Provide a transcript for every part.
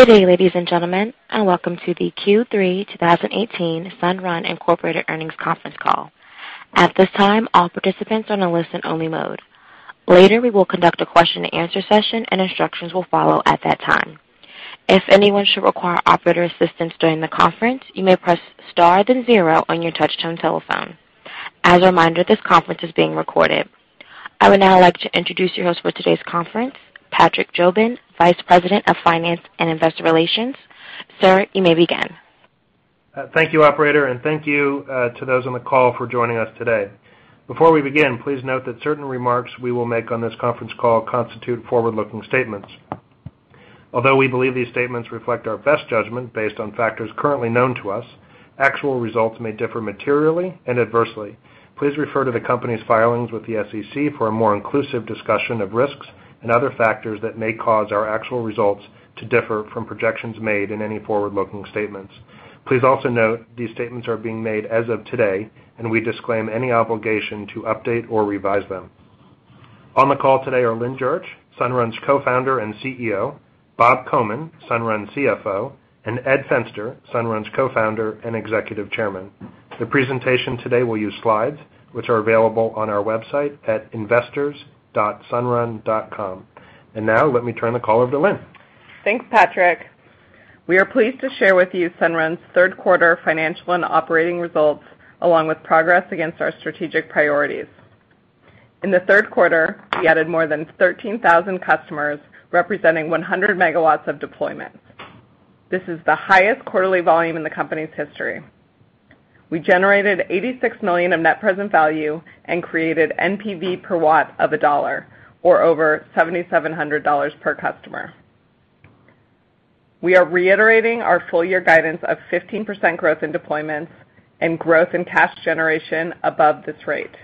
Good day, ladies and gentlemen, and welcome to the Q3 2018 Sunrun Incorporated earnings conference call. At this time, all participants are in a listen-only mode. Later, we will conduct a question-and-answer session and instructions will follow at that time. If anyone should require operator assistance during the conference, you may press star then zero on your touch-tone telephone. As a reminder, this conference is being recorded. I would now like to introduce you to host for today's conference, Patrick Jobin, Vice President of Finance and Investor Relations. Sir, you may begin. Thank you, operator. Thank you to those on the call for joining us today. Before we begin, please note that certain remarks we will make on this conference call constitute forward-looking statements. Although we believe these statements reflect our best judgment based on factors currently known to us, actual results may differ materially and adversely. Please refer to the company's filings with the SEC for a more inclusive discussion of risks and other factors that may cause our actual results to differ from projections made in any forward-looking statements. Please also note these statements are being made as of today, and we disclaim any obligation to update or revise them. On the call today are Lynn Jurich, Sunrun's Co-founder and CEO, Bob Komin, Sunrun's CFO, and Ed Fenster, Sunrun's Co-founder and Executive Chairman. The presentation today will use slides which are available on our website at investors.sunrun.com. Now let me turn the call over to Lynn. Thanks, Patrick. We are pleased to share with you Sunrun's third quarter financial and operating results, along with progress against our strategic priorities. In the third quarter, we added more than 13,000 customers, representing 100 megawatts of deployments. This is the highest quarterly volume in the company's history. We generated $86 million of Net Present Value and created NPV per watt of $1 or over $7,700 per customer. We are reiterating our full year guidance of 15% growth in deployments and growth in cash generation above this rate.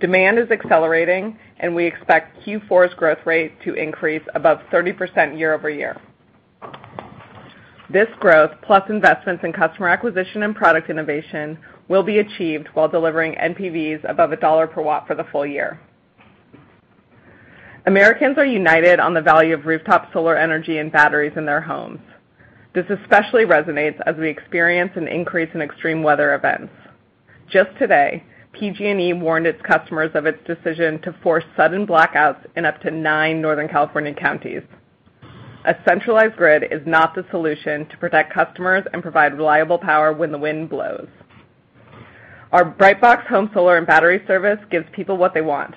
Demand is accelerating and we expect Q4's growth rate to increase above 30% year-over-year. This growth, plus investments in customer acquisition and product innovation, will be achieved while delivering NPVs above $1 per watt for the full year. Americans are united on the value of rooftop solar energy and batteries in their homes. This especially resonates as we experience an increase in extreme weather events. Just today, PG&E warned its customers of its decision to force sudden blackouts in up to nine Northern California counties. A centralized grid is not the solution to protect customers and provide reliable power when the wind blows. Our Brightbox home solar and battery service gives people what they want: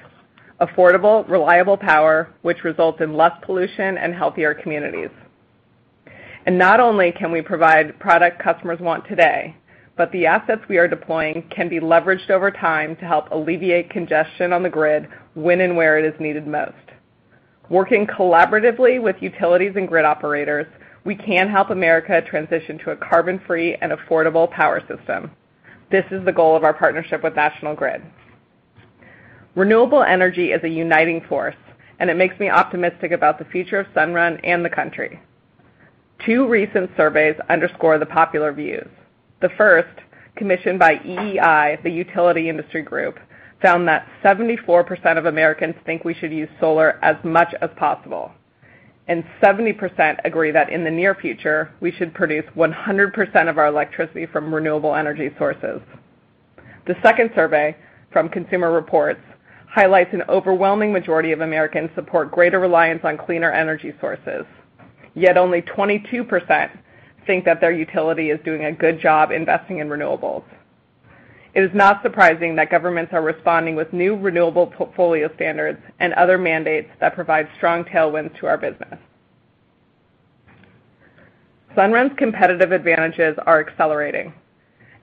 affordable, reliable power, which results in less pollution and healthier communities. Not only can we provide product customers want today, but the assets we are deploying can be leveraged over time to help alleviate congestion on the grid when and where it is needed most. Working collaboratively with utilities and grid operators, we can help America transition to a carbon-free and affordable power system. This is the goal of our partnership with National Grid. Renewable energy is a uniting force, and it makes me optimistic about the future of Sunrun and the country. Two recent surveys underscore the popular views. The first, commissioned by EEI, the utility industry group, found that 74% of Americans think we should use solar as much as possible, and 70% agree that in the near future, we should produce 100% of our electricity from renewable energy sources. The second survey, from Consumer Reports, highlights an overwhelming majority of Americans support greater reliance on cleaner energy sources, yet only 22% think that their utility is doing a good job investing in renewables. It is not surprising that governments are responding with new renewable portfolio standards and other mandates that provide strong tailwinds to our business. Sunrun's competitive advantages are accelerating.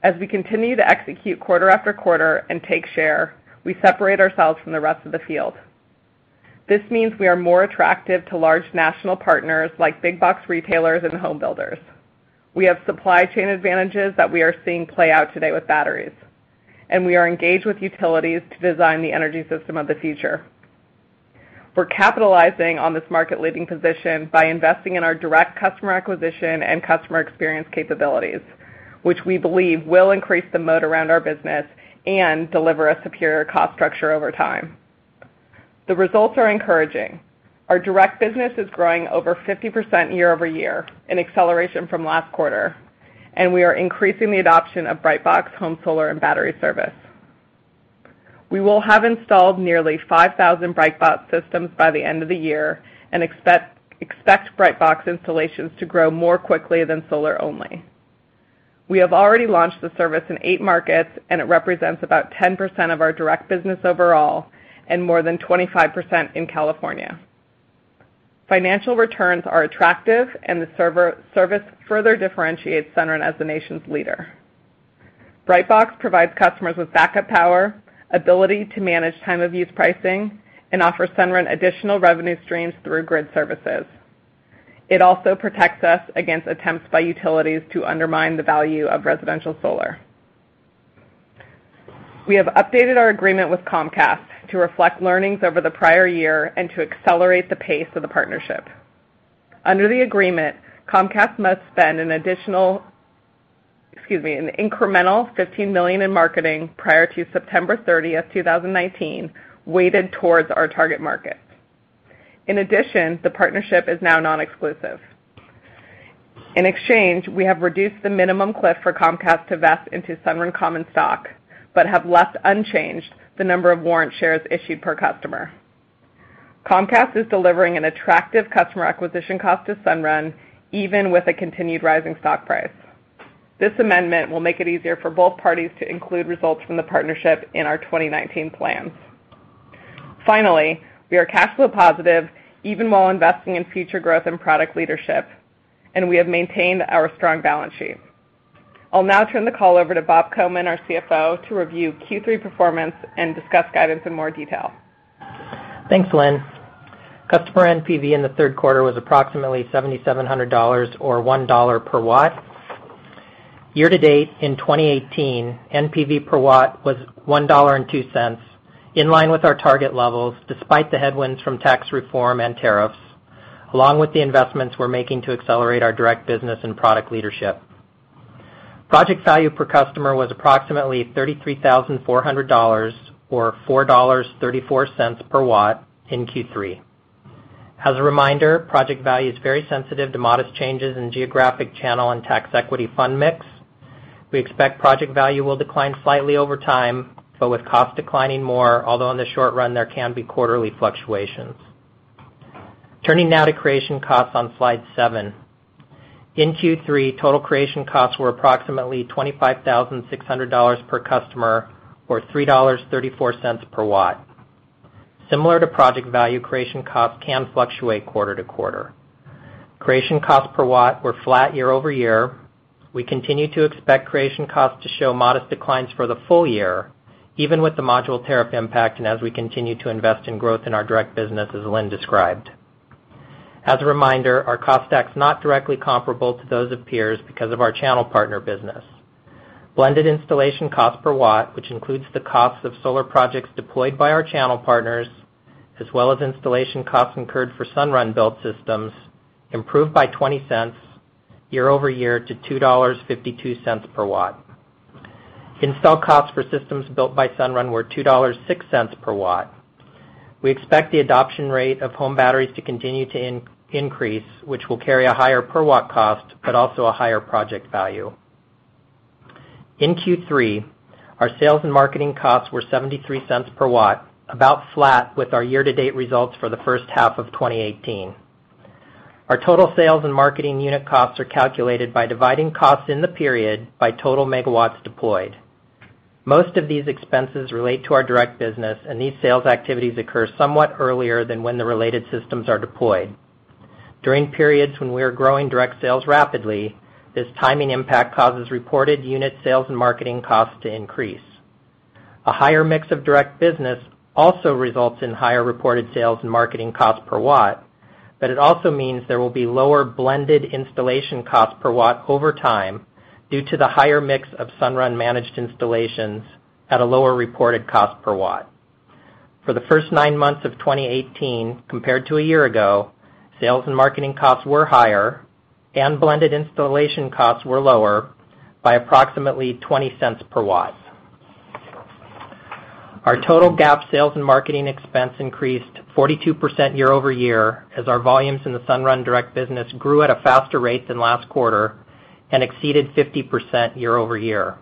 As we continue to execute quarter after quarter and take share, we separate ourselves from the rest of the field. This means we are more attractive to large national partners like big box retailers and home builders. We have supply chain advantages that we are seeing play out today with batteries, and we are engaged with utilities to design the energy system of the future. We're capitalizing on this market leading position by investing in our direct customer acquisition and customer experience capabilities, which we believe will increase the moat around our business and deliver a superior cost structure over time. The results are encouraging. Our direct business is growing over 50% year-over-year, an acceleration from last quarter, and we are increasing the adoption of Brightbox home solar and battery service. We will have installed nearly 5,000 Brightbox systems by the end of the year and expect Brightbox installations to grow more quickly than solar only. We have already launched the service in eight markets, and it represents about 10% of our direct business overall and more than 25% in California. Financial returns are attractive and the service further differentiates Sunrun as the nation's leader. Brightbox provides customers with backup power, ability to manage time of use pricing, and offers Sunrun additional revenue streams through grid services. It also protects us against attempts by utilities to undermine the value of residential solar. We have updated our agreement with Comcast to reflect learnings over the prior year and to accelerate the pace of the partnership. Under the agreement, Comcast must spend an additional, an incremental $15 million in marketing prior to September 30th, 2019, weighted towards our target markets. In addition, the partnership is now non-exclusive. In exchange, we have reduced the minimum cliff for Comcast to vest into Sunrun common stock, but have left unchanged the number of warrant shares issued per customer. Comcast is delivering an attractive customer acquisition cost to Sunrun, even with a continued rising stock price. This amendment will make it easier for both parties to include results from the partnership in our 2019 plans. Finally, we are cash flow positive even while investing in future growth and product leadership, and we have maintained our strong balance sheet. I'll now turn the call over to Bob Komin, our CFO, to review Q3 performance and discuss guidance in more detail. Thanks, Lynn. Customer NPV in the third quarter was approximately $7,700, or $1 per watt. Year-to-date in 2018, NPV per watt was $1.02, in line with our target levels, despite the headwinds from tax reform and tariffs, along with the investments we're making to accelerate our direct business and product leadership. Project value per customer was approximately $33,400, or $4.34 per watt in Q3. As a reminder, project value is very sensitive to modest changes in geographic channel and tax equity fund mix. We expect project value will decline slightly over time, but with cost declining more, although in the short run there can be quarterly fluctuations. Turning now to creation costs on slide seven. In Q3, total creation costs were approximately $25,600 per customer, or $3.34 per watt. Similar to project value, creation costs can fluctuate quarter-to-quarter. Creation costs per watt were flat year-over-year. We continue to expect creation costs to show modest declines for the full year, even with the module tariff impact and as we continue to invest in growth in our direct business, as Lynn described. As a reminder, our cost stack's not directly comparable to those of peers because of our channel partner business. Blended installation cost per watt, which includes the cost of solar projects deployed by our channel partners, as well as installation costs incurred for Sunrun Built systems, improved by $0.20 year-over-year to $2.52 per watt. Install costs for systems built by Sunrun were $2.06 per watt. We expect the adoption rate of home batteries to continue to increase, which will carry a higher per-watt cost, but also a higher project value. In Q3, our sales and marketing costs were $0.73 per watt, about flat with our year-to-date results for the first half of 2018. Our total sales and marketing unit costs are calculated by dividing costs in the period by total megawatts deployed. Most of these expenses relate to our direct business, and these sales activities occur somewhat earlier than when the related systems are deployed. During periods when we are growing direct sales rapidly, this timing impact causes reported unit sales and marketing costs to increase. A higher mix of direct business also results in higher reported sales and marketing cost per watt, but it also means there will be lower blended installation cost per watt over time due to the higher mix of Sunrun managed installations at a lower reported cost per watt. For the first nine months of 2018 compared to a year ago, sales and marketing costs were higher, and blended installation costs were lower by approximately $0.20 per watt. Our total GAAP sales and marketing expense increased 42% year-over-year as our volumes in the Sunrun direct business grew at a faster rate than last quarter and exceeded 50% year-over-year.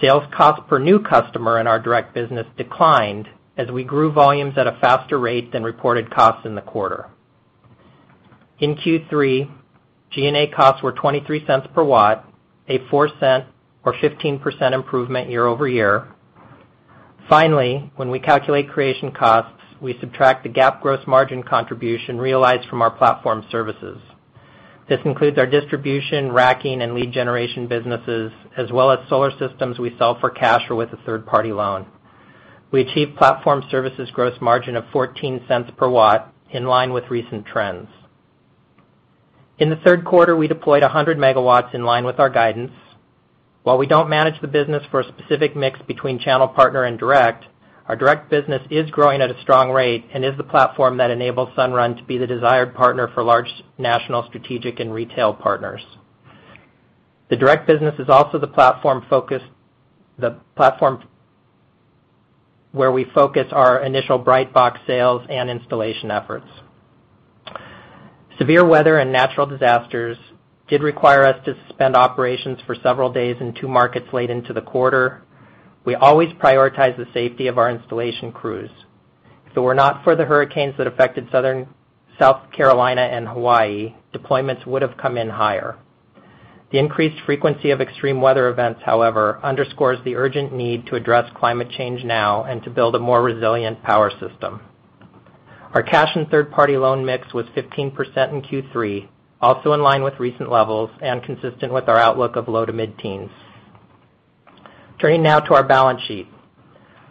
Sales cost per new customer in our direct business declined as we grew volumes at a faster rate than reported costs in the quarter. In Q3, G&A costs were $0.23 per watt, a $0.04 or 15% improvement year-over-year. Finally, when we calculate creation costs, we subtract the GAAP gross margin contribution realized from our platform services. This includes our distribution, racking, and lead generation businesses, as well as solar systems we sell for cash or with a third-party loan. We achieved platform services gross margin of $0.14 per watt, in line with recent trends. In the third quarter, we deployed 100 megawatts in line with our guidance. While we don't manage the business for a specific mix between channel partner and direct, our direct business is growing at a strong rate and is the platform that enables Sunrun to be the desired partner for large national strategic and retail partners. The direct business is also the platform where we focus our initial Brightbox sales and installation efforts. Severe weather and natural disasters did require us to suspend operations for several days in two markets late into the quarter. We always prioritize the safety of our installation crews. If it were not for the hurricanes that affected South Carolina and Hawaii, deployments would have come in higher. The increased frequency of extreme weather events, however, underscores the urgent need to address climate change now and to build a more resilient power system. Our cash and third-party loan mix was 15% in Q3, also in line with recent levels and consistent with our outlook of low to mid-teens. Turning now to our balance sheet.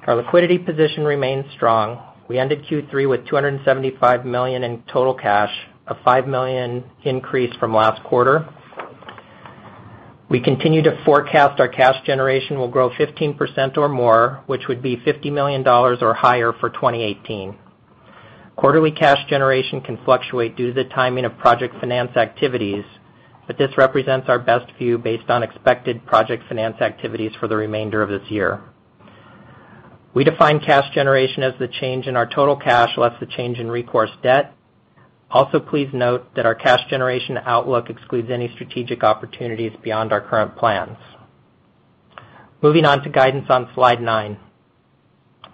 Our liquidity position remains strong. We ended Q3 with $275 million in total cash, a $5 million increase from last quarter. We continue to forecast our cash generation will grow 15% or more, which would be $50 million or higher for 2018. Quarterly cash generation can fluctuate due to the timing of project finance activities, but this represents our best view based on expected project finance activities for the remainder of this year. We define cash generation as the change in our total cash less the change in recourse debt. Also, please note that our cash generation outlook excludes any strategic opportunities beyond our current plans. Moving on to guidance on slide nine.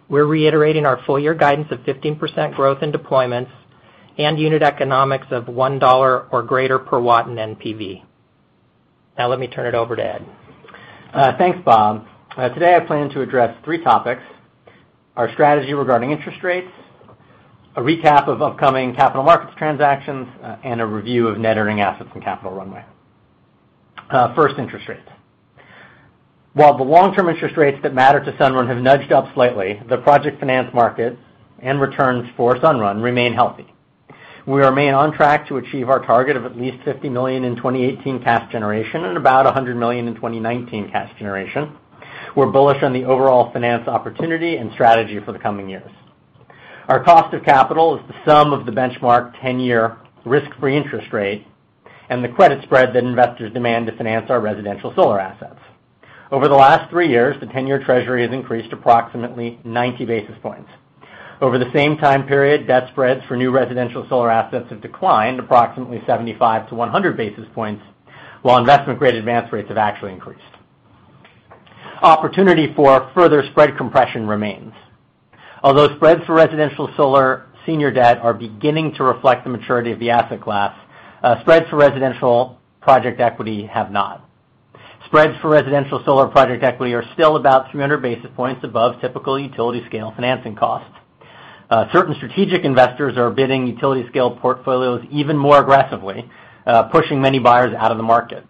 We're reiterating our full year guidance of 15% growth in deployments and unit economics of $1 or greater per watt in NPV. Now, let me turn it over to Ed. Thanks, Bob. Today I plan to address three topics: our strategy regarding interest rates, a recap of upcoming capital markets transactions, and a review of Net Earning Assets and capital runway. First, interest rates. While the long-term interest rates that matter to Sunrun have nudged up slightly, the project finance market and returns for Sunrun remain healthy. We remain on track to achieve our target of at least $50 million in 2018 cash generation and about $100 million in 2019 cash generation. We're bullish on the overall finance opportunity and strategy for the coming years. Our cost of capital is the sum of the benchmark 10-year risk-free interest rate and the credit spread that investors demand to finance our residential solar assets. Over the last three years, the 10-year treasury has increased approximately 90 basis points. Over the same time period, debt spreads for new residential solar assets have declined approximately 75-100 basis points, while investment-grade advance rates have actually increased. Opportunity for further spread compression remains. Although spreads for residential solar senior debt are beginning to reflect the maturity of the asset class, spreads for residential project equity have not. Spreads for residential solar project equity are still about 300 basis points above typical utility-scale financing costs. Certain strategic investors are bidding utility-scale portfolios even more aggressively, pushing many buyers out of the market.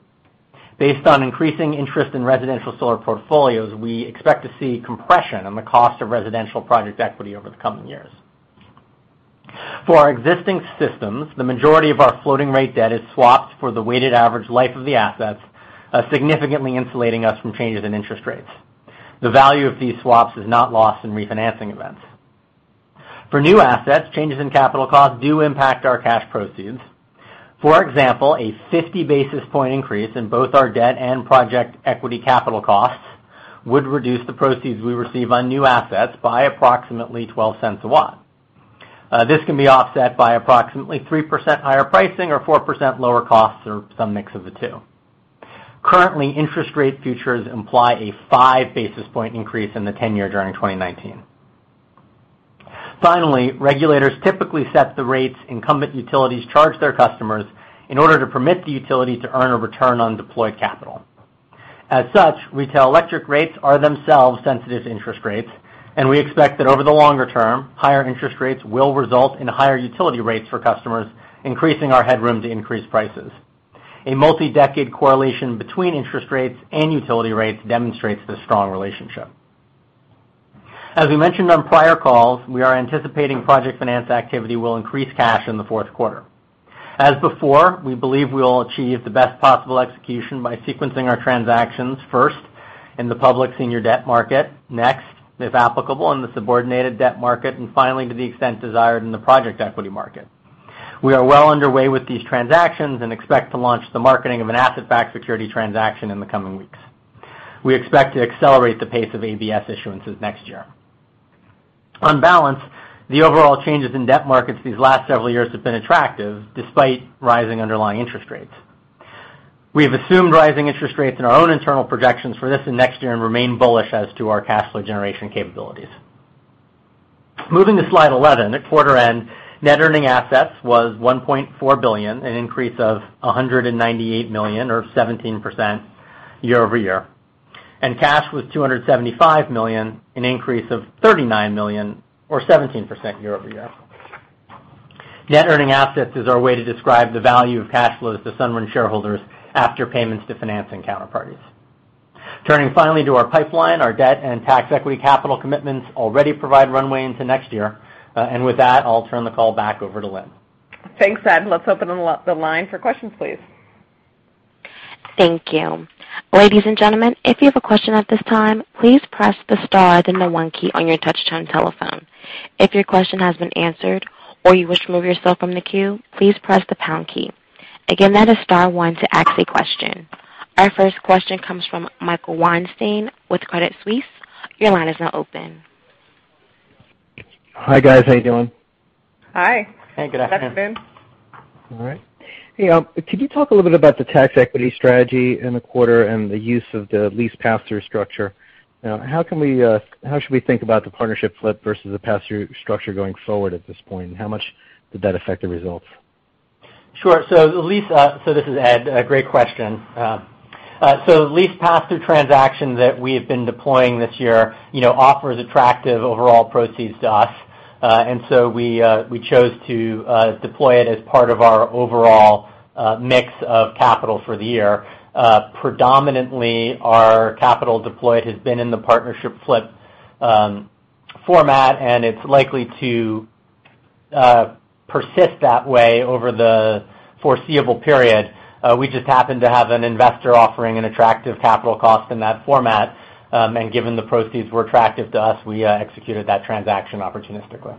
Based on increasing interest in residential solar portfolios, we expect to see compression on the cost of residential project equity over the coming years. For our existing systems, the majority of our floating rate debt is swapped for the weighted average life of the assets, significantly insulating us from changes in interest rates. The value of these swaps is not lost in refinancing events. For new assets, changes in capital costs do impact our cash proceeds. For example, a 50-basis-point increase in both our debt and project equity capital costs would reduce the proceeds we receive on new assets by approximately $0.12 a watt. This can be offset by approximately 3% higher pricing or 4% lower costs, or some mix of the two. Currently, interest rate futures imply a five-basis-point increase in the 10-year during 2019. Finally, regulators typically set the rates incumbent utilities charge their customers in order to permit the utility to earn a return on deployed capital. As such, retail electric rates are themselves sensitive to interest rates, and we expect that over the longer term, higher interest rates will result in higher utility rates for customers, increasing our headroom to increase prices. A multi-decade correlation between interest rates and utility rates demonstrates this strong relationship. As we mentioned on prior calls, we are anticipating project finance activity will increase cash in the fourth quarter. As before, we believe we will achieve the best possible execution by sequencing our transactions, first in the public senior debt market, next, if applicable, in the subordinated debt market, and finally, to the extent desired, in the project equity market. We are well underway with these transactions and expect to launch the marketing of an asset-backed security transaction in the coming weeks. We expect to accelerate the pace of ABS issuances next year. On balance, the overall changes in debt markets these last several years have been attractive despite rising underlying interest rates. We have assumed rising interest rates in our own internal projections for this and next year and remain bullish as to our cash flow generation capabilities. Moving to slide 11. At quarter end, Net Earning Assets was $1.4 billion, an increase of $198 million or 17% year-over-year. Cash was $275 million, an increase of $39 million or 17% year-over-year. Net Earning Assets is our way to describe the value of cash flows to Sunrun shareholders after payments to financing counterparties. Turning finally to our pipeline. Our debt and tax equity capital commitments already provide runway into next year. With that, I'll turn the call back over to Lynn. Thanks, Ed. Let's open the line for questions, please. Thank you. Ladies and gentlemen, if you have a question at this time, please press the star then the one key on your touch-tone telephone. If your question has been answered or you wish to remove yourself from the queue, please press the pound key. Again, that is star one to ask a question. Our first question comes from Michael Weinstein with Credit Suisse. Your line is now open. Hi, guys. How you doing? Hi. Hey, good afternoon. Afternoon. All right. Could you talk a little bit about the tax equity strategy in the quarter and the use of the lease pass-through structure? How should we think about the partnership flip versus the pass-through structure going forward at this point, and how much did that affect the results? Sure. This is Ed. Great question. The lease pass-through transaction that we have been deploying this year offers attractive overall proceeds to us. We chose to deploy it as part of our overall mix of capital for the year. Predominantly, our capital deployed has been in the partnership flip format, it's likely to persist that way over the foreseeable period. We just happened to have an investor offering an attractive capital cost in that format. Given the proceeds were attractive to us, we executed that transaction opportunistically.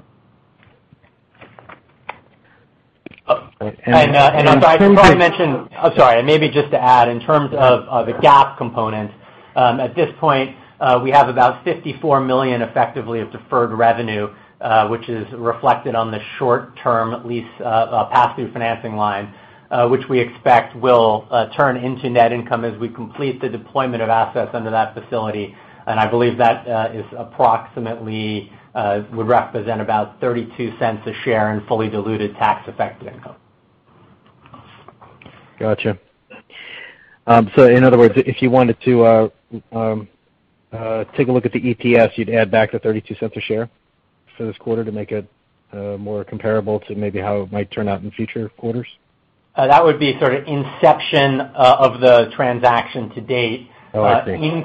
In terms of- I probably mentioned. Oh, sorry. Maybe just to add, in terms of the GAAP component, at this point, we have about $54 million effectively of deferred revenue, which is reflected on the short-term lease pass-through financing line, which we expect will turn into net income as we complete the deployment of assets under that facility. I believe that approximately would represent about $0.32 a share in fully diluted tax-affected income. Got you. In other words, if you wanted to take a look at the EPS, you'd add back the $0.32 a share for this quarter to make it more comparable to maybe how it might turn out in future quarters? That would be sort of inception of the transaction to date. Oh, I see.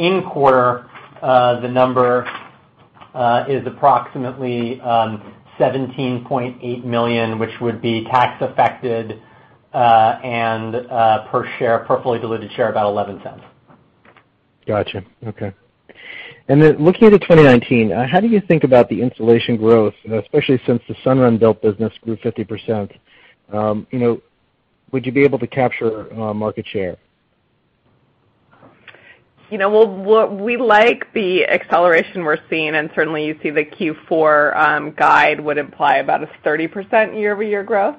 In quarter, the number is approximately $17.8 million, which would be tax affected, and per fully diluted share, about $0.11. Got you. Okay. Then looking into 2019, how do you think about the installation growth, especially since the Sunrun Built business grew 50%? Would you be able to capture market share? We like the acceleration we're seeing, certainly you see the Q4 guide would imply about a 30% year-over-year growth.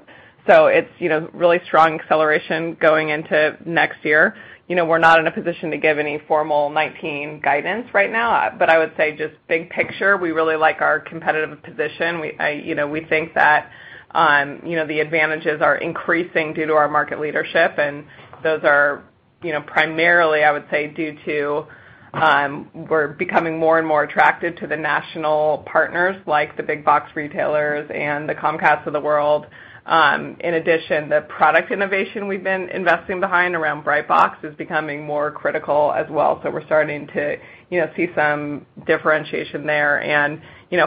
It's really strong acceleration going into next year. We're not in a position to give any formal 2019 guidance right now, I would say just big picture, we really like our competitive position. We think that the advantages are increasing due to our market leadership, and those are primarily, I would say, due to we're becoming more and more attractive to the national partners, like the big box retailers and the Comcasts of the world. In addition, the product innovation we've been investing behind around Brightbox is becoming more critical as well. We're starting to see some differentiation there.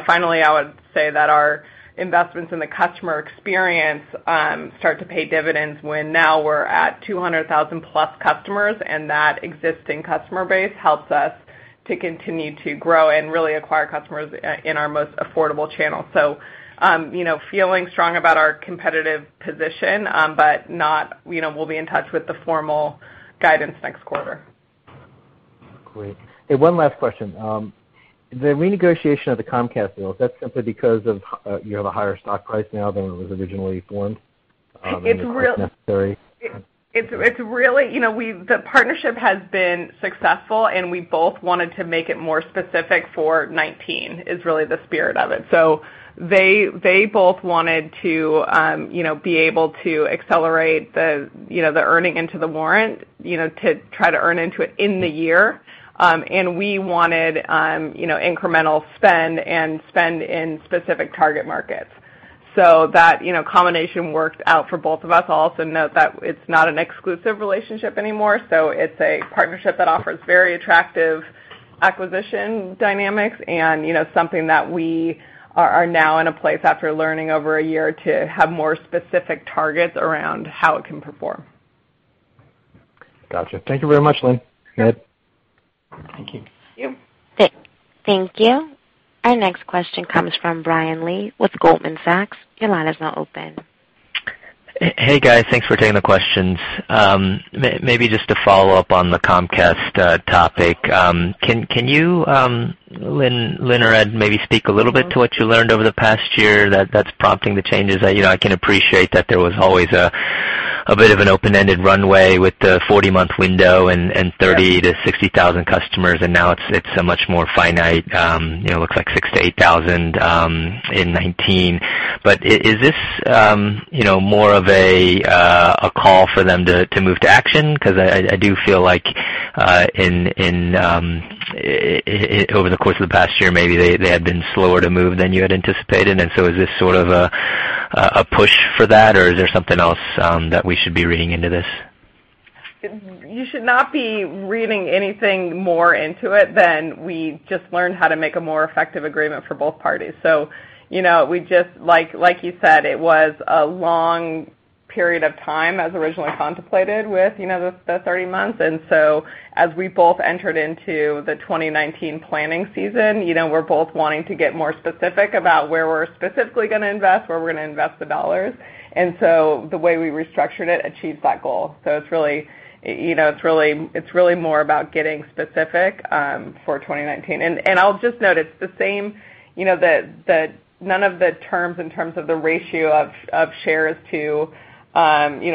Finally, I would say that our investments in the customer experience start to pay dividends when now we're at 200,000-plus customers, that existing customer base helps us to continue to grow and really acquire customers in our most affordable channel. Feeling strong about our competitive position, we'll be in touch with the formal guidance next quarter. Great. Hey, one last question. The renegotiation of the Comcast deal, is that simply because you have a higher stock price now than when it was originally formed- It's real- The price necessary? The partnership has been successful, we both wanted to make it more specific for 2019, is really the spirit of it. They both wanted to be able to accelerate the earning into the warrant to try to earn into it in the year. We wanted incremental spend and spend in specific target markets. That combination worked out for both of us. I'll also note that it's not an exclusive relationship anymore, so it's a partnership that offers very attractive acquisition dynamics and something that we are now in a place after learning over a year to have more specific targets around how it can perform. Got you. Thank you very much, Lynn. Ed? Thank you. Thank you. Thank you. Our next question comes from Brian Lee with Goldman Sachs. Your line is now open. Hey, guys. Thanks for taking the questions. Maybe just to follow up on the Comcast topic. Can you, Lynn or Ed, maybe speak a little bit to what you learned over the past year that's prompting the changes? I can appreciate that there was always a bit of an open-ended runway with the 40-month window and 30,000 to 60,000 customers, and now it's a much more finite, looks like 6,000 to 8,000 in 2019. Is this more of a call for them to move to action? I do feel like over the course of the past year, maybe they had been slower to move than you had anticipated. Is this sort of a push for that, or is there something else that we should be reading into this? You should not be reading anything more into it than we just learned how to make a more effective agreement for both parties. Like you said, it was a long period of time as originally contemplated with the 30 months. As we both entered into the 2019 planning season, we're both wanting to get more specific about where we're specifically going to invest, where we're going to invest the dollars. The way we restructured it achieves that goal. It's really more about getting specific for 2019. I'll just note, none of the terms in terms of the ratio of shares to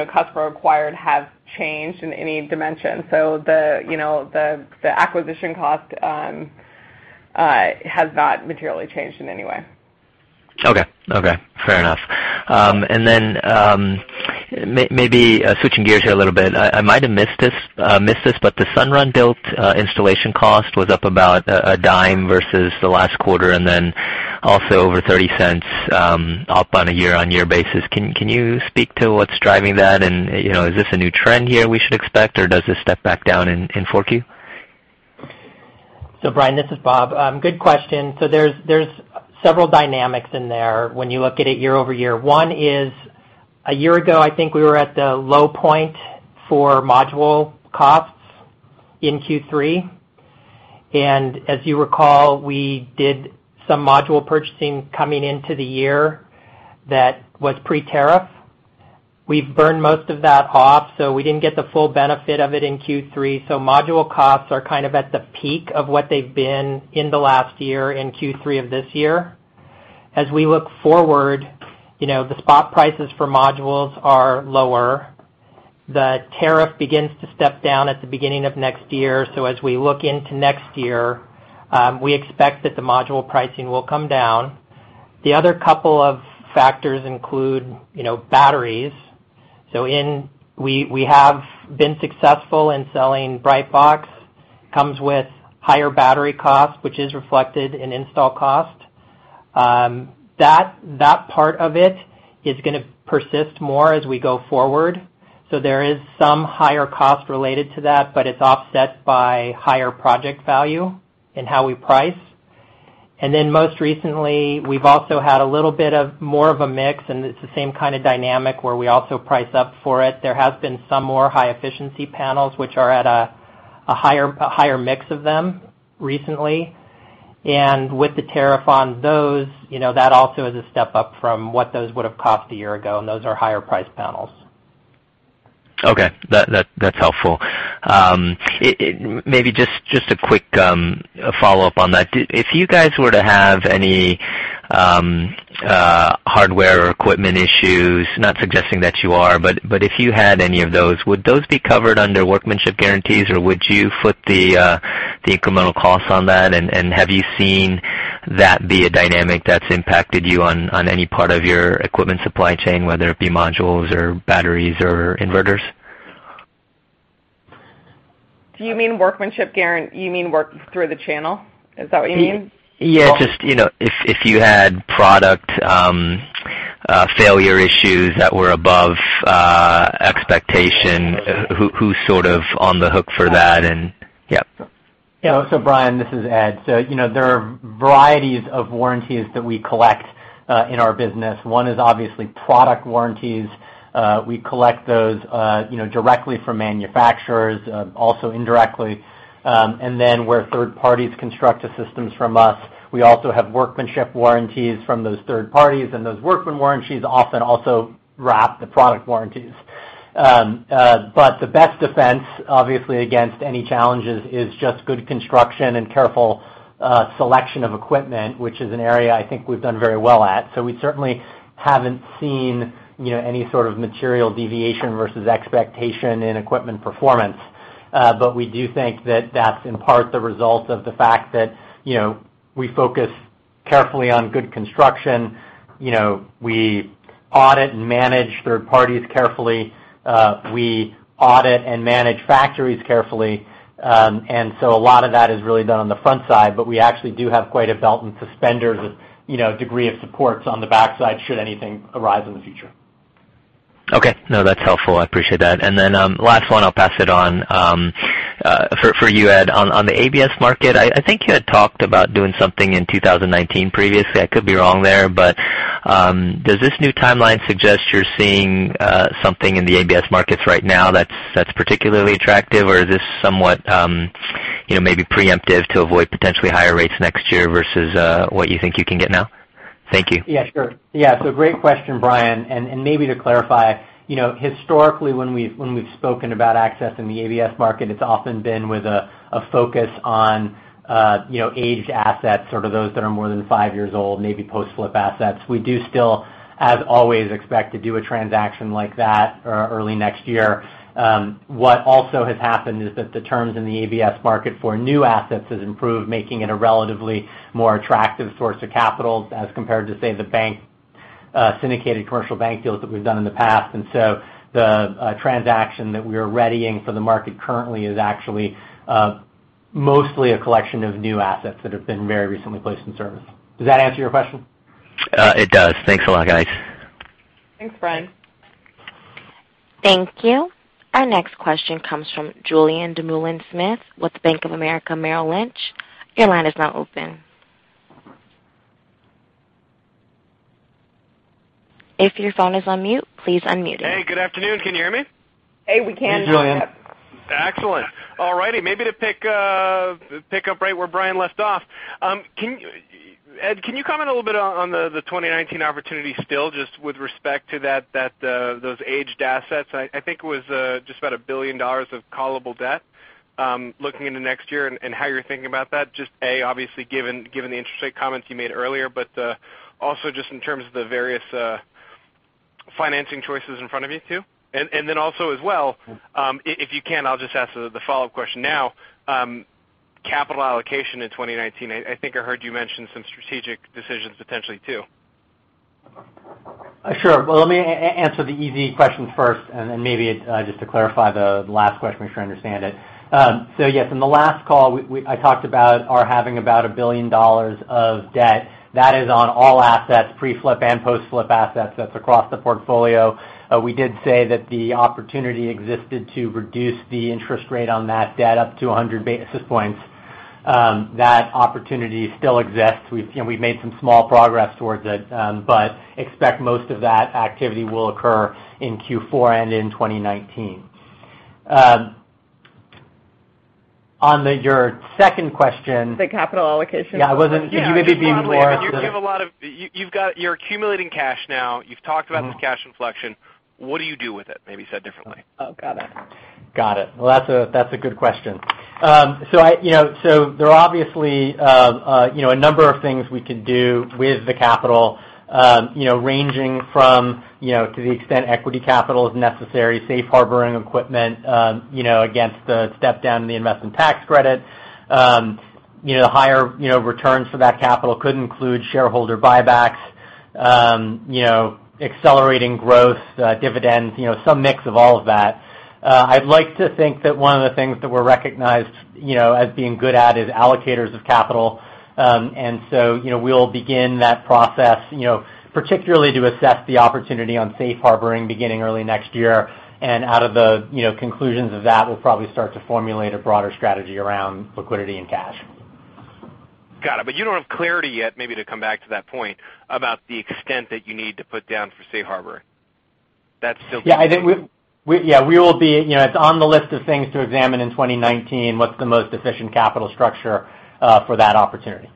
customer acquired have changed in any dimension. The acquisition cost has not materially changed in any way. Okay. Fair enough. Maybe switching gears here a little bit. I might have missed this, but the Sunrun Built installation cost was up about $0.10 versus the last quarter, and also over $0.30 up on a year-on-year basis. Can you speak to what's driving that, and is this a new trend here we should expect, or does this step back down in 4Q? Brian, this is Bob. Good question. There's several dynamics in there when you look at it year-over-year. One is, a year ago, I think we were at the low point for module costs in Q3. As you recall, we did some module purchasing coming into the year that was pre-tariff. We've burned most of that off, so we didn't get the full benefit of it in Q3. Module costs are kind of at the peak of what they've been in the last year in Q3 of this year. As we look forward, the spot prices for modules are lower. The tariff begins to step down at the beginning of next year. As we look into next year, we expect that the module pricing will come down. The other couple of factors include batteries. We have been successful in selling Brightbox, comes with higher battery costs, which is reflected in install cost. That part of it is going to persist more as we go forward. There is some higher cost related to that, but it's offset by higher project value and how we price. Most recently, we've also had a little bit of more of a mix, and it's the same kind of dynamic where we also price up for it. There has been some more high-efficiency panels, which are at a higher mix of them recently. With the tariff on those, that also is a step up from what those would have cost a year ago, and those are higher priced panels. Okay. That's helpful. Maybe just a quick follow-up on that. If you guys were to have any hardware or equipment issues, not suggesting that you are, but if you had any of those, would those be covered under workmanship guarantees, or would you foot the incremental costs on that? Have you seen that be a dynamic that's impacted you on any part of your equipment supply chain, whether it be modules or batteries or inverters? Do you mean work through the channel? Is that what you mean? Yeah. If you had product failure issues that were above expectation, who's sort of on the hook for that? Brian, this is Ed. There are varieties of warranties that we collect in our business. One is obviously product warranties. We collect those directly from manufacturers, also indirectly. Where third parties construct the systems from us. We also have workmanship warranties from those third parties, and those workmanship warranties often also wrap the product warranties. The best defense, obviously, against any challenges is just good construction and careful selection of equipment, which is an area I think we've done very well at. We certainly haven't seen any sort of material deviation versus expectation in equipment performance. We do think that that's in part the result of the fact that we focus carefully on good construction. We audit and manage third parties carefully. We audit and manage factories carefully. A lot of that is really done on the front side, we actually do have quite a belt and suspenders degree of supports on the backside should anything arise in the future. Okay. No, that's helpful. I appreciate that. Last one, I'll pass it on. For you, Ed, on the ABS market, I think you had talked about doing something in 2019 previously. I could be wrong there, does this new timeline suggest you're seeing something in the ABS markets right now that's particularly attractive, or is this somewhat maybe preemptive to avoid potentially higher rates next year versus what you think you can get now? Thank you. Yeah, sure. Yeah. Great question, Brian. Maybe to clarify, historically when we've spoken about accessing the ABS market, it's often been with a focus on aged assets, sort of those that are more than five years old, maybe post-flip assets. We do still, as always, expect to do a transaction like that early next year. What also has happened is that the terms in the ABS market for new assets has improved, making it a relatively more attractive source of capital as compared to, say, the syndicated commercial bank deals that we've done in the past. The transaction that we are readying for the market currently is actually mostly a collection of new assets that have been very recently placed in service. Does that answer your question? It does. Thanks a lot, guys. Thanks, Brian. Thank you. Our next question comes from Julien Dumoulin-Smith with Bank of America Merrill Lynch. Your line is now open. If your phone is on mute, please unmute it. Hey, good afternoon. Can you hear me? Hey, we can. Hey, Julien. Excellent. All righty. Maybe to pick up right where Brian left off. Ed, can you comment a little bit on the 2019 opportunity still just with respect to those aged assets? I think it was just about $1 billion of callable debt. Looking into next year and how you're thinking about that, just A, obviously given the interest rate comments you made earlier, but also just in terms of the various financing choices in front of you, too. Also as well, if you can, I'll just ask the follow-up question now. Capital allocation in 2019. I think I heard you mention some strategic decisions potentially, too. Sure. Well, let me answer the easy question first. Then maybe just to clarify the last question, make sure I understand it. Yes, in the last call, I talked about our having about $1 billion of debt. That is on all assets, pre-flip and post-flip assets. That's across the portfolio. We did say that the opportunity existed to reduce the interest rate on that debt up to 100 basis points That opportunity still exists. We've made some small progress towards it, but expect most of that activity will occur in Q4 and in 2019. On your second question. The capital allocation question. Yeah, could you maybe be more specific? You're accumulating cash now. You've talked about this cash inflection. What do you do with it? Maybe said differently. Got it. Got it. That's a good question. There are obviously a number of things we could do with the capital, ranging from, to the extent equity capital is necessary, safe harboring equipment against the step down in the investment tax credit. The higher returns for that capital could include shareholder buybacks, accelerating growth, dividends, some mix of all of that. I'd like to think that one of the things that we're recognized as being good at is allocators of capital. We'll begin that process, particularly to assess the opportunity on safe harboring beginning early next year. Out of the conclusions of that, we'll probably start to formulate a broader strategy around liquidity and cash. Got it. You don't have clarity yet, maybe to come back to that point, about the extent that you need to put down for safe harbor. That's still to be determined. It's on the list of things to examine in 2019. What's the most efficient capital structure for that opportunity?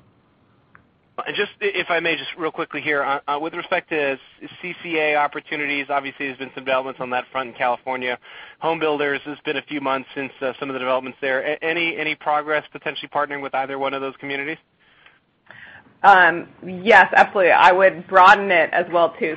Just, if I may just real quickly here, with respect to CCA opportunities, obviously, there's been some developments on that front in California. Home builders, it's been a few months since some of the developments there. Any progress potentially partnering with either one of those communities? Yes, absolutely. I would broaden it as well too.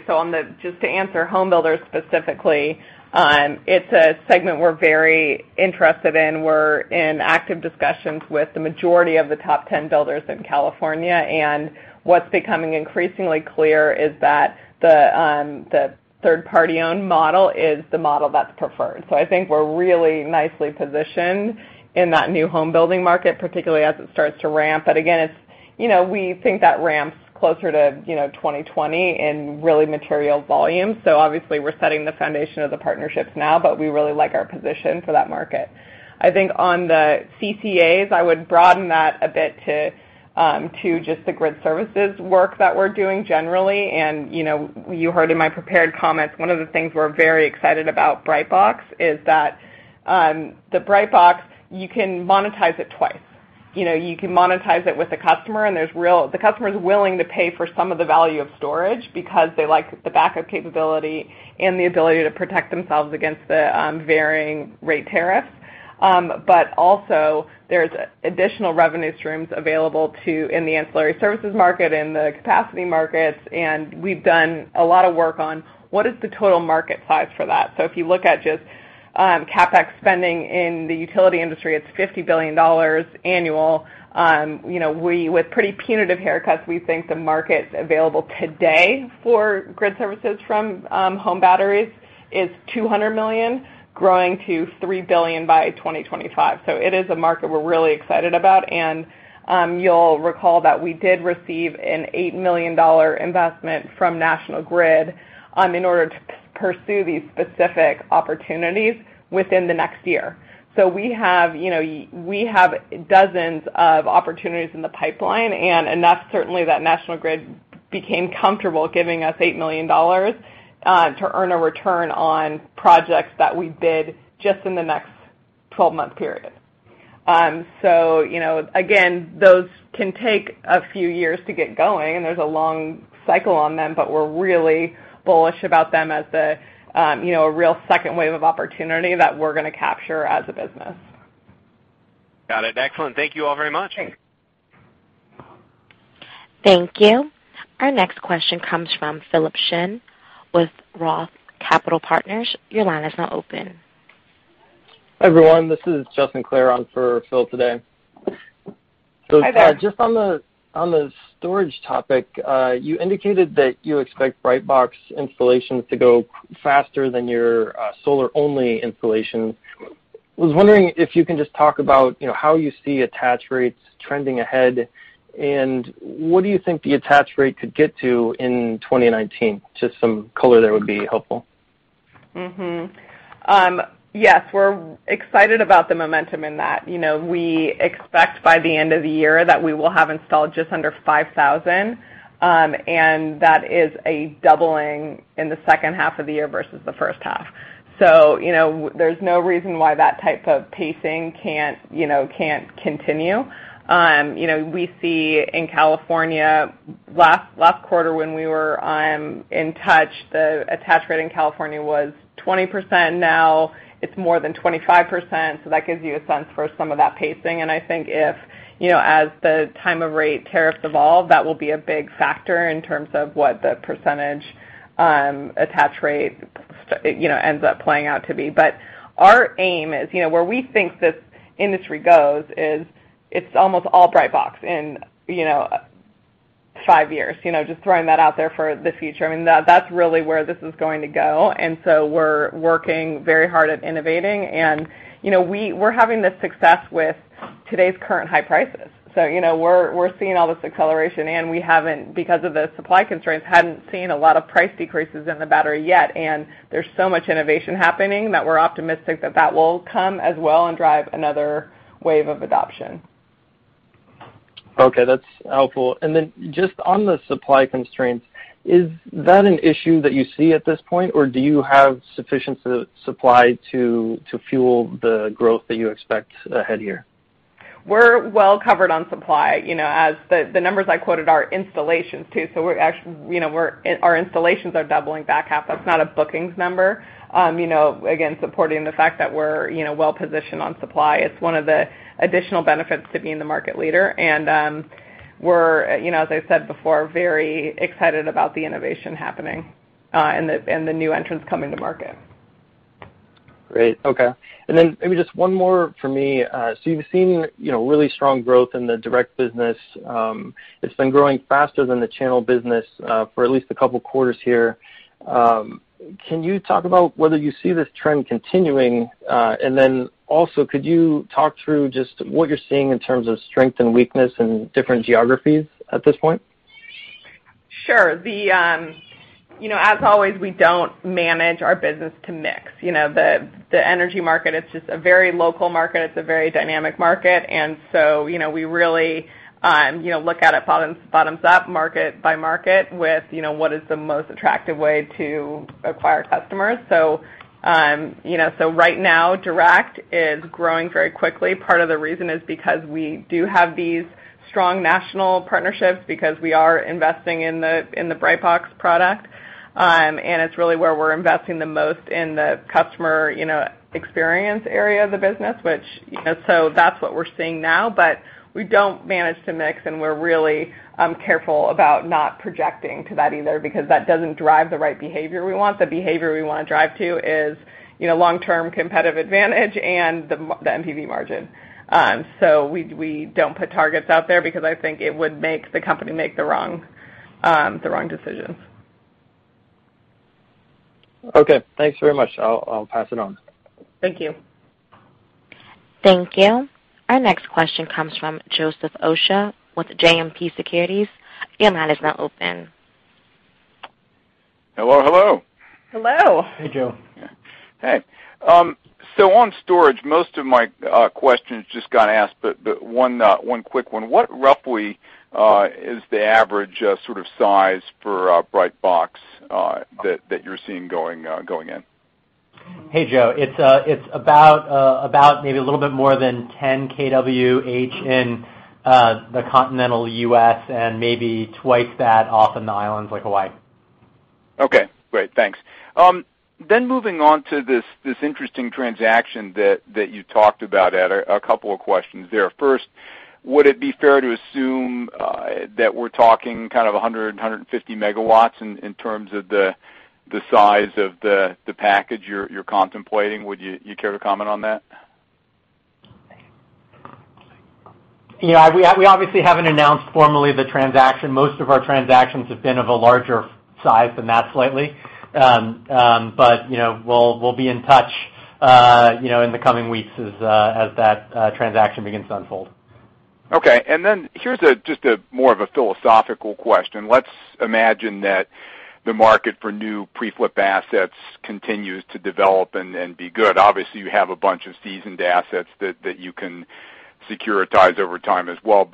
Just to answer home builders specifically, it's a segment we're very interested in. We're in active discussions with the majority of the top 10 builders in California, what's becoming increasingly clear is that the third-party owned model is the model that's preferred. I think we're really nicely positioned in that new home building market, particularly as it starts to ramp. But again, we think that ramps closer to 2020 in really material volume. Obviously we're setting the foundation of the partnerships now, but we really like our position for that market. I think on the CCAs, I would broaden that a bit to just the grid services work that we're doing generally. You heard in my prepared comments, one of the things we're very excited about Brightbox is that the Brightbox, you can monetize it twice. You can monetize it with a customer, the customer's willing to pay for some of the value of storage because they like the backup capability and the ability to protect themselves against the varying rate tariffs. Also there's additional revenue streams available too in the ancillary services market, in the capacity markets, we've done a lot of work on what is the total market size for that. If you look at just CapEx spending in the utility industry, it's $50 billion annual. With pretty punitive haircuts, we think the market available today for grid services from home batteries is $200 million growing to $3 billion by 2025. It is a market we're really excited about, you'll recall that we did receive an $8 million investment from National Grid in order to pursue these specific opportunities within the next year. We have dozens of opportunities in the pipeline, enough certainly that National Grid became comfortable giving us $8 million to earn a return on projects that we bid just in the next 12-month period. Again, those can take a few years to get going, there's a long cycle on them, but we're really bullish about them as a real second wave of opportunity that we're going to capture as a business. Got it. Excellent. Thank you all very much. Thanks. Thank you. Our next question comes from Philip Shen with Roth Capital Partners. Your line is now open. Hi, everyone. This is Justin Clare on for Phil today. Hi there. Just on the storage topic, you indicated that you expect Brightbox installations to go faster than your solar-only installations. I was wondering if you can just talk about how you see attach rates trending ahead, and what do you think the attach rate could get to in 2019? Just some color there would be helpful. Yes, we're excited about the momentum in that. We expect by the end of the year that we will have installed just under 5,000, and that is a doubling in the second half of the year versus the first half. There's no reason why that type of pacing can't continue. We see in California, last quarter when we were in touch, the attach rate in California was 20%. Now it's more than 25%, that gives you a sense for some of that pacing. I think as the time of use tariffs evolve, that will be a big factor in terms of what the percentage attach rate ends up playing out to be. Our aim is where we think this industry goes is it's almost all Brightbox in five years. Just throwing that out there for the future. That's really where this is going to go. We're working very hard at innovating, and we're having this success with today's current high prices. We're seeing all this acceleration, and we haven't, because of the supply constraints, hadn't seen a lot of price decreases in the battery yet. There's so much innovation happening that we're optimistic that that will come as well and drive another wave of adoption. Okay, that's helpful. Just on the supply constraints, is that an issue that you see at this point, or do you have sufficient supply to fuel the growth that you expect ahead here? We're well covered on supply. As the numbers I quoted are installations too. Our installations are doubling back half. That's not a bookings number. Again, supporting the fact that we're well-positioned on supply. It's one of the additional benefits to being the market leader. We're, as I said before, very excited about the innovation happening, and the new entrants coming to market. Great. Okay. Maybe just one more for me. You've seen really strong growth in the direct business. It's been growing faster than the channel business for at least a couple of quarters here. Can you talk about whether you see this trend continuing? Also, could you talk through just what you're seeing in terms of strength and weakness in different geographies at this point? Sure. As always, we don't manage our business to mix. The energy market is just a very local market. It's a very dynamic market. We really look at it bottoms up, market by market with what is the most attractive way to acquire customers. Right now, direct is growing very quickly. Part of the reason is because we do have these strong national partnerships because we are investing in the Brightbox product, and it's really where we're investing the most in the customer experience area of the business. That's what we're seeing now. We don't manage to mix, and we're really careful about not projecting to that either because that doesn't drive the right behavior we want. The behavior we want to drive to is long-term competitive advantage and the NPV margin. We don't put targets out there because I think it would make the company make the wrong decisions. Okay, thanks very much. I'll pass it on. Thank you. Thank you. Our next question comes from Joseph Osha with JMP Securities. Your line is now open. Hello, hello. Hello. Hey, Joe. Hey. On storage, most of my questions just got asked, but one quick one. What roughly is the average sort of size for Brightbox that you're seeing going in? Hey, Joe. It's about maybe a little bit more than 10 kWh in the continental U.S. and maybe twice that off in the islands like Hawaii. Okay, great. Thanks. Moving on to this interesting transaction that you talked about, Ed, a couple of questions there. First, would it be fair to assume that we're talking kind of 100, 150 megawatts in terms of the size of the package you're contemplating? Would you care to comment on that? We obviously haven't announced formally the transaction. Most of our transactions have been of a larger size than that slightly. We'll be in touch in the coming weeks as that transaction begins to unfold. Okay. Here's just more of a philosophical question. Let's imagine that the market for new pre-flip assets continues to develop and be good. Obviously, you have a bunch of seasoned assets that you can securitize over time as well.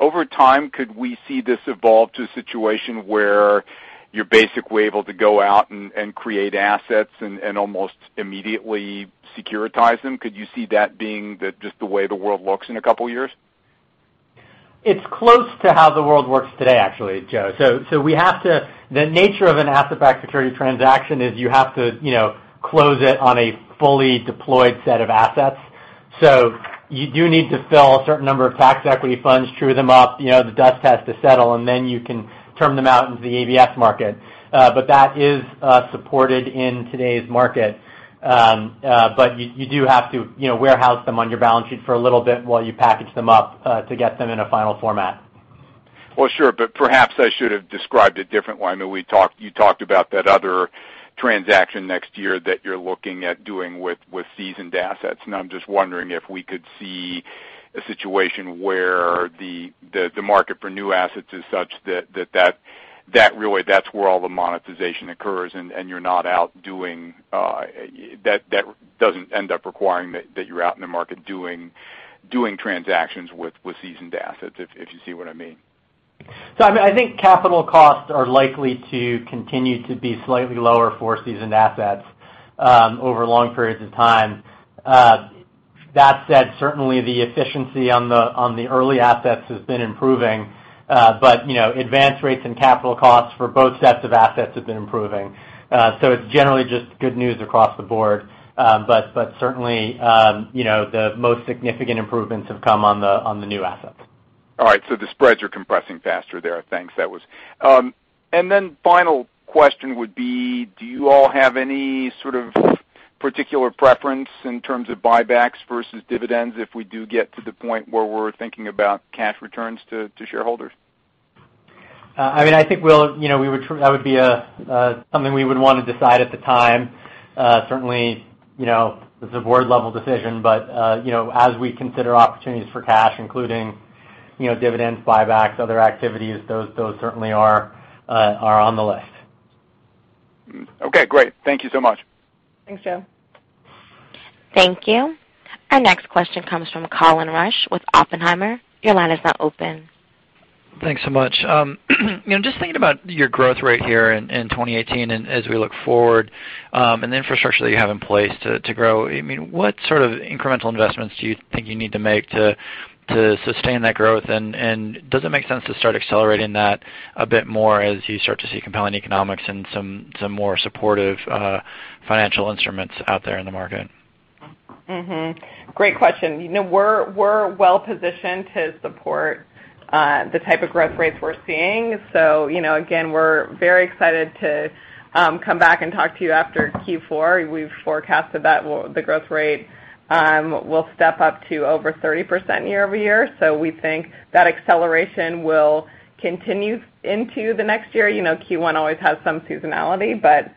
Over time, could we see this evolve to a situation where you're basically able to go out and create assets and almost immediately securitize them? Could you see that being just the way the world looks in a couple of years? It's close to how the world works today, actually, Joe. The nature of an asset-backed security transaction is you have to close it on a fully deployed set of assets. You do need to fill a certain number of tax equity funds, true them up, the dust has to settle, and then you can turn them out into the ABS market. That is supported in today's market. You do have to warehouse them on your balance sheet for a little bit while you package them up, to get them in a final format. Well, sure, perhaps I should have described it differently. I know you talked about that other transaction next year that you're looking at doing with seasoned assets. I'm just wondering if we could see a situation where the market for new assets is such that really that's where all the monetization occurs, and that doesn't end up requiring that you're out in the market doing transactions with seasoned assets, if you see what I mean. I think capital costs are likely to continue to be slightly lower for seasoned assets over long periods of time. That said, certainly the efficiency on the early assets has been improving, advanced rates and capital costs for both sets of assets have been improving. It's generally just good news across the board. Certainly, the most significant improvements have come on the new assets. All right. The spreads are compressing faster there. Thanks. Then final question would be, do you all have any sort of particular preference in terms of buybacks versus dividends if we do get to the point where we're thinking about cash returns to shareholders? That would be something we would want to decide at the time. Certainly, it's a board-level decision, but as we consider opportunities for cash, including dividends, buybacks, other activities, those certainly are on the list. Okay, great. Thank you so much. Thanks, Joe. Thank you. Our next question comes from Colin Rusch with Oppenheimer. Your line is now open. Thanks so much. Just thinking about your growth rate here in 2018 and as we look forward, and the infrastructure that you have in place to grow. What sort of incremental investments do you think you need to make to sustain that growth? Does it make sense to start accelerating that a bit more as you start to see compelling economics and some more supportive financial instruments out there in the market? Great question. We're well-positioned to support the type of growth rates we're seeing. Again, we're very excited to come back and talk to you after Q4. We've forecasted that the growth rate will step up to over 30% year-over-year. We think that acceleration will continue into the next year. Q1 always has some seasonality, but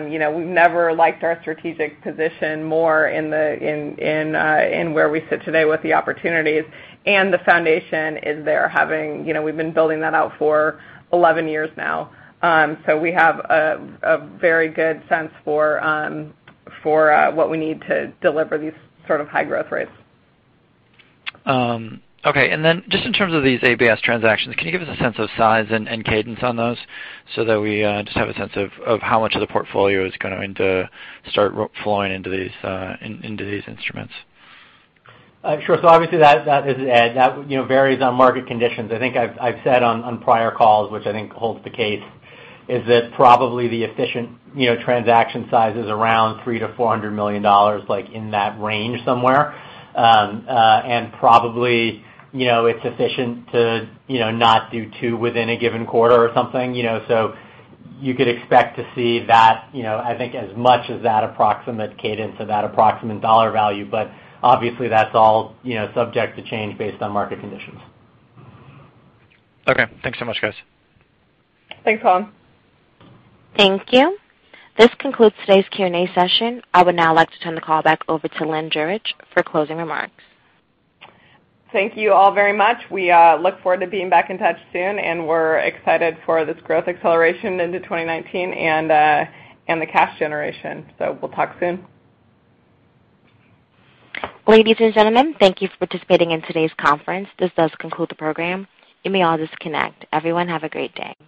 we've never liked our strategic position more in where we sit today with the opportunities. The foundation is there, we've been building that out for 11 years now. We have a very good sense for what we need to deliver these sort of high growth rates. Okay. Then just in terms of these ABS transactions, can you give us a sense of size and cadence on those so that we just have a sense of how much of the portfolio is going to start flowing into these instruments? Sure. Obviously that, this is Ed, that varies on market conditions. I think I've said on prior calls, which I think holds the case, is that probably the efficient transaction size is around $300 million-$400 million, like in that range somewhere. Probably, it's efficient to not do two within a given quarter or something. You could expect to see that, I think, as much as that approximate cadence or that approximate dollar value, obviously that's all subject to change based on market conditions. Okay. Thanks so much, guys. Thanks, Colin. Thank you. This concludes today's Q&A session. I would now like to turn the call back over to Lynn Jurich for closing remarks. Thank you all very much. We look forward to being back in touch soon, and we're excited for this growth acceleration into 2019 and the cash generation. We'll talk soon. Ladies and gentlemen, thank you for participating in today's conference. This does conclude the program. You may all disconnect. Everyone, have a great day.